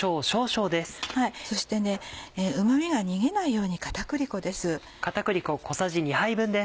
そしてうま味が逃げないように片栗粉です。